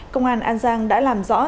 công an an giang đã làm rõ